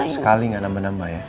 sekali nggak nambah nambah ya